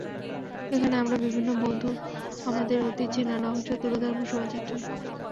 এখানে আমরা বিভিন্ন বন্ধু আমাদের ঐতিহ্যের নানা অংশ তুলে ধরব শোভাযাত্রায়।